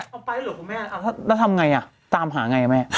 เอาไปเหรอคุณแม่แล้วทำไงอ่ะตามหาไงแม่